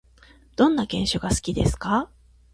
どんな犬種が好きですか？